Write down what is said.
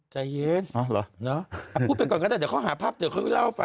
ใจเย็นพูดไปก่อนก็ได้เดี๋ยวเขาหาภาพเดี๋ยวเขาเล่าให้ฟัง